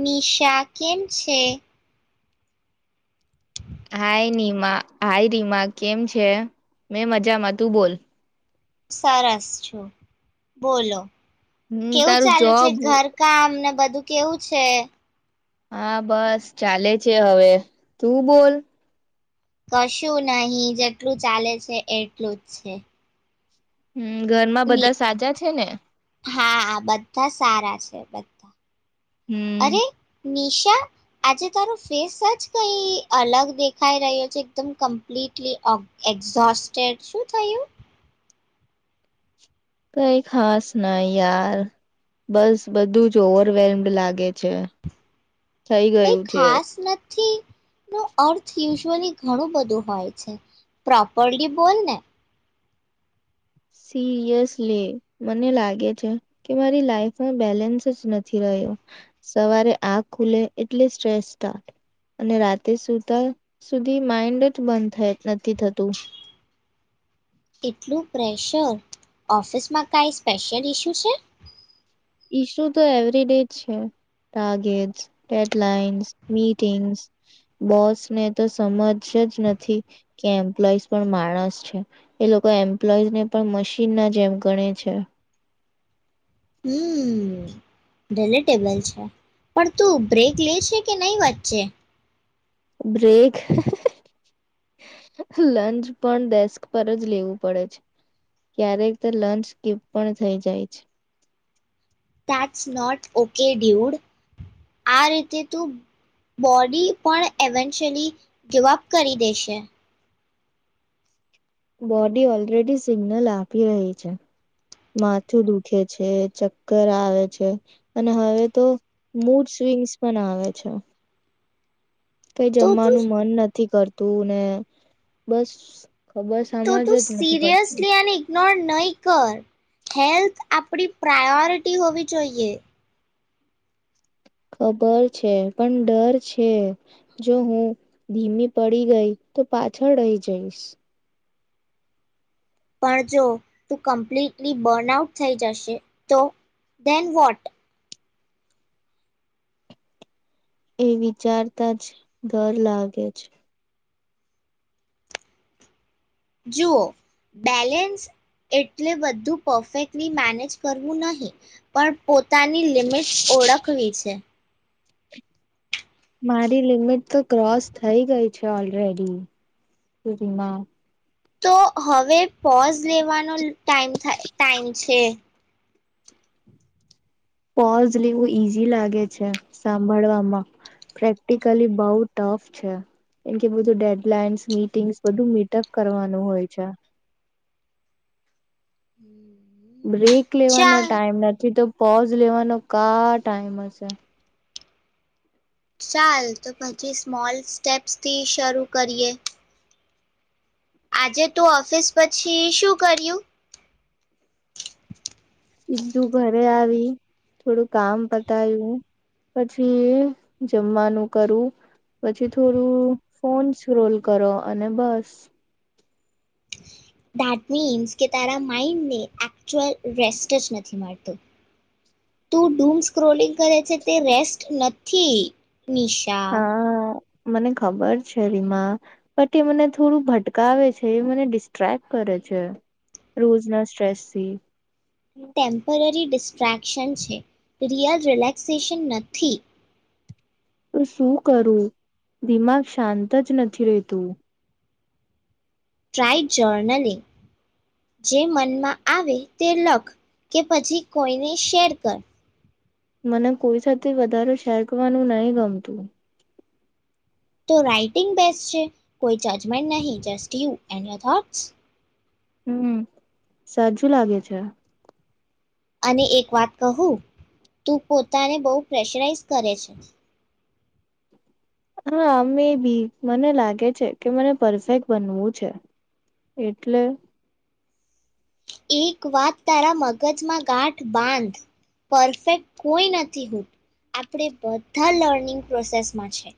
નિશા, કેમ છે? Hi Nima, hi Rima કેમ છે? મેં મજામાં, તું બોલ. સરસ છું, બોલો. હમ કેવું તારું ચાલુ છે, જોબ ઘર કામ ને બ કેવું છે? હા, બસ ચાલે છે. હવે તું બોલ. કશું નહીં. જેટલું ચાલે છે એટલું જ છે. હમ્મ, ઘરમાં ની બધા સાજા છે ને? બધ્ધા હમ અરે. નિશા આજે તારું ફેસ જ કઈ અલગ દેખાઈ રહ્યો છે. એકદમ કમ્પ્લીટલી ઑક એક્ઝોસ્ટેડ. શું થયું? કઈ ખાસ નય યાર બસ બધું જ ઓવરવેલ્મ્ડ લાગે છે. થઈ ગયું છે. થી નો અર્થ યુઝવલી ઘણું બધું હોય છે. પ્રોપરલી બોલ ને. સિરિયસલી મને લાગે છે કે, મારી લાઈફમાં બેલેન્સ જ નથી રહ્યો. સવારે આખ ખુલે એટલે સ્ટ્રેસ સ્ટાર્ટ અને રાતે સુતા સુધી માઈન્ડ જ બંધ થ નથી થતું. એટલું પ્રેશર, ઓફિસમાં કાઈ સ્પેશિયલ ઈસ્યુ છે? ઈસુ તો એવરી ડે છે. ટાર્ગેટ્સ, ડેડલાઇન્સ, મીટિંગ્સ બોસને તો સમજ જ નથી કે એમ્પ્લોઈઝ પણ માણસ છે. એ લોકો એમ્પ્લોઈઝને પણ મશીનના જેમ ગણે છે. હમ્મ, ડેલેટેબલ છે. પણ તું બ્રેક લે છે કે નય વચ્ચે? બ્રેક, લંચ પણ ડેસ્ક પર જ લેવું પડે છે. ક્યારેક તો લંચ સ્કીપ પણ થઈ જાય છે. That's not okay dude. આ રીતે તું બોડી પણ એવેન્શ્યલી ગિવઅપ કરી દેશે. બોડી ઓલરેડી સિગ્નલ આપી રહ્યુ છે. માથું દુખે છે, ચક્કર આવે છે અને હવે તો મૂડ સ્વિંગ્સ પણ આવે છે. કઈ તો તું જમવાનું મન નથી કર તું ને બસ ખબર તો સમજ તું જ નથી પડતી. સિરિયસલી આને ઇગ્નોર નય કર. હેલ્થ આપણી પ્રાયોરિટી હોવી જોઈએ. ખબર છે પણ ડર છે. જો હું ધીમી પડી ગઈ તો પાછળ રહી જઈશ. પણ જો તું કમ્પ્લીટલી બર્નઆઉટ થઈ જશે તો? Then what? એ વિચારતા જ ડર લાગે છે. જુઓ બેલેન્સ એટલે બધું પરફેક્ટલી મેનેજ કરવું નહીં પણ પો પોતાની લિમિટ્સ ઓળખવી છે. મારી લિમિટ તો ક્રોસ થઈ ગઈ છે ઓલરેડી. સુધીમાં. તો હવે પોઝ લેવાનો ટાઇ ટાઈમ છે. પોઝ લેવું ઈઝી લાગે છે સાંભળવામાં પ્રેક્ટિકલી બવ ટફ છે એમ કે બધું ડેડલાઇન્સ મીટિંગ્સ બધું મીટઅપ કરવાનું હોય છે. હમ્મ. બ્રેક લેવાનો ટાઈમ નથી તો પોઝ લેવાનો કા ટાઈમ હશે. ચાલ તો પછી સ્મોલ સ્ટેપ્સથી શરૂ કરીએ. આજે તું ઓફિસ પછી શું કર્યું? સીધું ઘરે આવી થોડું કામ પતાયું, પછી જમવાનું કર્યું, પછી થોડું ફોનસ રોલ કરો અને બસ. ધેટ મીન્સ કે તારા માન્ડને એક્યુઅલ રેસ્ટ જ નથી મળતો તું ડૂમ સ્ક્રોલિંગ કરે છે તે રેસ્ટ નથી. નિશા. હા મને ખબર છે, રીમા બટ એ મને થોડું ભટકાવે છે એ મને ડિસ્ટ્રેક કરે છે. રોજના સ્ટ્રેસથી. ટેમ્પરરી ડિસ્ટ્રક્શન છે રિયલ રિલેક્સેશન નથી. તો શું કરું દિમાગ શાંત જ નથી રેતું? ટ્રાય જર્નલી જે મનમાં આવે તે લખ કે પછી કોઈને શેર કર. મને કોઈ સાથે વધારે શેર કરવાનું નહી ગમતું. તો રાઇટિંગ બેસ્ટ છે, કોઈ જજમેન્ટ નહીં just you and your thoughts. હમ્મ, સાચું લાગે છે. અને એક વાત કહું તું પોતાને બહુ પ્રેશરાઈઝ કરે છે. હા અમે બી મને લાગે છે કે મને પરફેક્ટ બનવું છે. એટલે એક વાત તારા મગજમાં ગાંઠ બાંધ પરફેક્ટ કોઈ નથી હોત આપણે બધા લર્નિંગ પ્રોસેસમાં છે.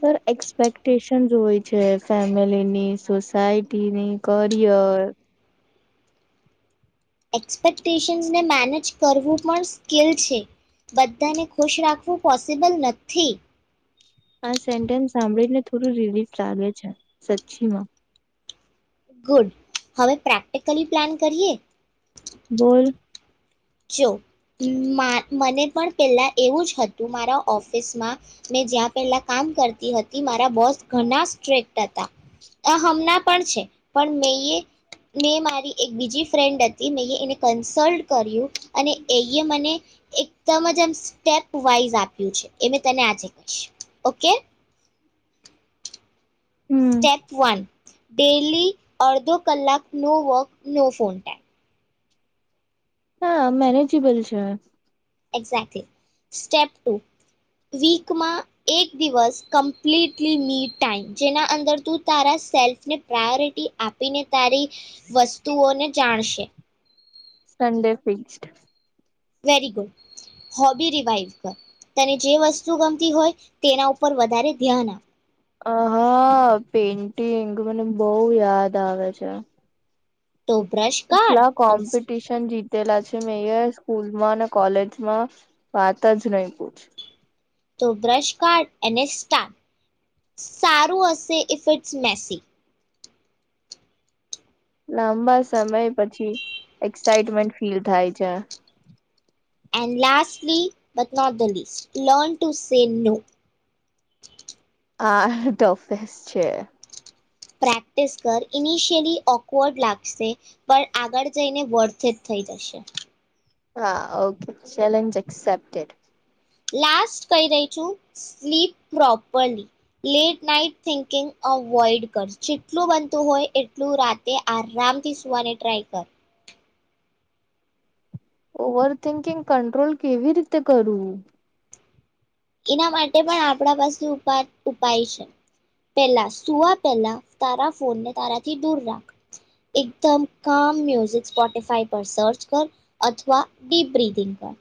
પણ એક્સપેક્ટેશનસ હોય છે ફેમિલીની, સોસાયટીની, કરિયર એક્સપેક્ટેશન્સને મેનેજ કરવું પણ સ્કેલ છે. બધાને ખુશ રાખવું પોસિબલ નથી. આ સેન્ટેન્સ સાંભળીને થોડું રિલીફ લાગે છે. સચ્ચીમાં. ગુડ હવે પ્રેક્ટિકલી પ્લાન કરીએ? બોલ. જો મ મને પણ પહેલા એવું જ હતું. મારા ઓફિસમાં મેં જ્યાં પહેલા કામ કરતી હતી મારા બોસ ઘણા સ્ટ્રેક્ટ હતા આ હમણાં પણ છે પણ મે મેં મારી એક બીજી ફ્રેન્ડ હતી મેં એને કન્સલ્ટ કર્યું અને એયે મને એકદમ જ આમ સ્ટેપ વાઈઝ આપ્યું છે. એ મેં તને આજે કહીશ ઓકે? હમ સ્ટેપ વન ડેયલી અડધો કલાક no work no phone time. હા મેનેજેબલ છે. એક્ઝેટલી. સ્ટેપ ટુ વીકમાં એક દિવસ કમ્પ્લીટલી ની ટાઈમ જેના અંદર તું તારા સેલ્ફને પ્રાયોરિટી આપીને તારી વસ્તુઓને જાણશે. Sunday fixed. Very good. Hobby revive કર તને જે વસ્તુ ગમતી હોય તેના ઉપર વધારે ધ્યાન આપ. હા પેન્ટિંગ મને બહ યાદ આવે છે. તો બ્રશ કાઢ એટલા અને કોમ્પિટિશન જીત તેલા છે મે સ્કૂલમાં અને કોલેજમાં વાત જ નહી પૂછ. તો બ્રશ કારડ અને સ્ટ સારું હશે ઇફે મેસી. લાંબા સમય પછી એક્સાઈટમેન્ટ ફીલ થાય છે. Lastly but not the least learn to say no. આ ડફસ છે. પ્રેક્ટિસ કર ઇનિશિયલી ઓકવર્ડ લાગશે પણ આગળ જઈને વર્થે જ થઈ જશે. હા ઓકે ચલેજ એક્સેપ્ટડ. લાસ્ટ કહી રહી છું sleep properly late night thinking avoid કર જેટલું બનતું હોય એટલું રાતે આરામથી સુવાને ટ્રાય કર. ઓવર થિંકિંગ કંટ્રોલ કેવી રીતે કરવું? એના માટે પણ આપણા પાસે ઉ ઉપાય છે. પહેલા સુવા પહેલા તારા ફોનને તારાથી દૂર રાખ એકદમ કામ મુઝિક સ્પોટીફાઈ પર સર્ચ કર અથવા ડીપ બિંગ પર.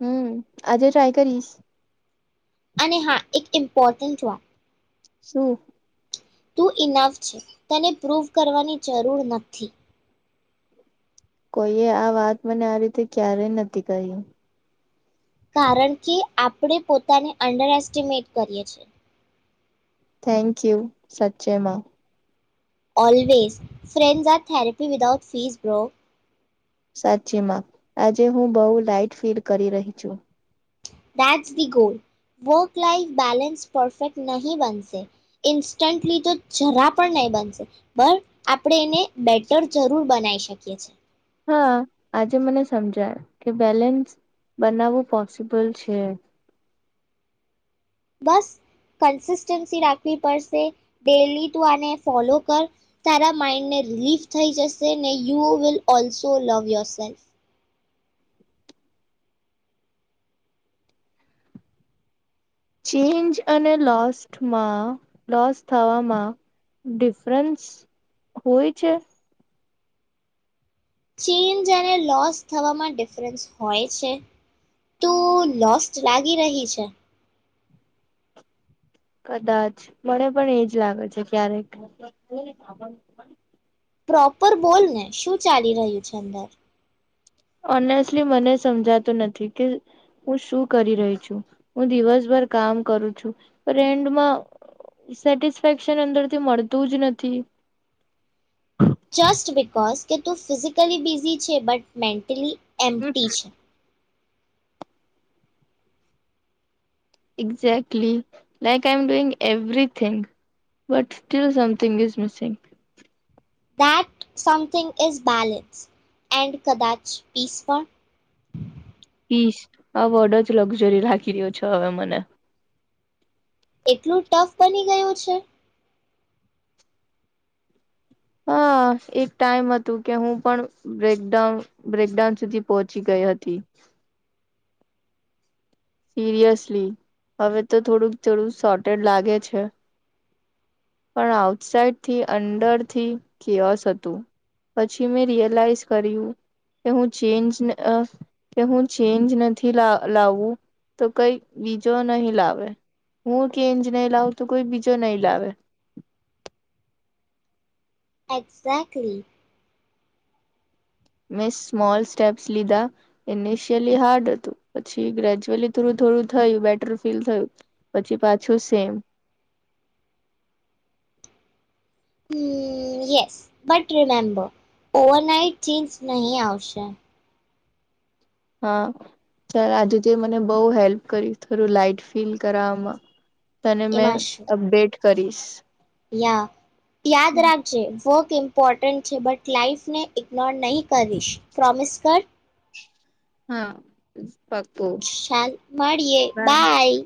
હમ્મ આજે ટ્રાય કરીશ. અને હા એક ઇમ્પોર્ટન્ટ વાત શું? તું ઈનાફ છે તને પ્રૂવ કરવાની જરૂર નથી. કોઈએ આ વાત મને આ રીતે ક્યારેય નથી કહ્યું. કારણ કે આપણે પોતાને અંડર એસ્ટિમેટ કરીએ છીએ. થેન્ક યુ સચેમાં. Always ફ્રેન્ઝા therapy without fees bro. સાચીમાં આજે હું બહુ લાાઈટ ફીલ કરી રહી છું. That's the goal work life balance perfect નહી બનશે ઇન્સ્ટન્ટલી તો જરા પણ નહીં બનશે બ આપણે એને બેટર જરૂર બનાવીશ. [unintelligible] હા આજે મને સમજાય કે બેલેન્સ બનાવવું પોસિબલ છે. બસ કન્સિસ્ટન્સી રાખવી પડશે ડેલી તું આને ફોલો કર તારા માઈન્ડને રિલીફ થઈ જશે ને you will also love yourself change અને લોસ્ટમાં લોસ થવામાં ડિફરન્સ હોય છે ચેનજ અને લોસ થવામાં ડિફરન્સ હોય છે તો લોસ લાગી રહી છે કદાચ મને પણ એજ લાગે છે ક્યારેક પ્રોપર બોલ ને શું ચાલી રહ્યું છે અંદર ઓનેસ્ટલી મને સમજાતું નથી કે હું શું કરી રહી છું હું દિવસભર કામ કરું છું અને એન્ડમાં સેટેક્શન અંદરથી મળતું જ નથી જસ્ટ બિકોઝ કે તું ફિઝિકલી બિઝી છે બટ મેન્ટલી હમ એમટી છે exactly like I am doing everything but still something is missing that something is balance and કદાચ પીસપણ પીસ આ વોર્ડ જ લક્ઝરી રાખી રહ્યો છો હવે મને એટલું ટફ બની ગયું છે હા એક ટાઈમ હતું કે હું પણ બ્રેકડાઉન બ્રેકડાઉન સુધી પહોંચી ગઈ હતી સિરિયસલી હવે તો થોડુંક થોડું સોટેડ લાગે છે પણ આઉટસાાઈડથી અંડરથી કિર્યોસ હતું પછી મેં રિયલાઈઝ કર્યું કે હું ચેન્જઅ કે હું ચેન્જ નથી લા લાવવું તો કઈ બીજો નહીં લાવે હું ચેઇન્જ નહી લાવું તો કોઈ બીજો નહીં લાવે એક્ઝેક્ટલી મેં સ્મોલ સ્ટેપ્સ લીધા ઇનિશિયલી હાર્ડ હતું પછી ગ્રેજ્યુઅલી થોડું થોડું થયું બેટર ફીલ થયું પછી પાછું સેમ હમ્મ હ yes but remember overnight change નહીં આવશે હા ચાલ આજુ તુએ મને બહુ હેલ્પ કરી થોડું લાઈટ ફીલ કરાવવામાં તને મેં એમાં શું અપડેટ કરીશ યા યાદ રાખજે ઇમ્પોર્ટન્ટ છે બટ લાઈફ ને ઇગ્નોર નહીં કરીશ પ્રોમિસ કર હા. પાકું ચાલ મળીએે. બાય.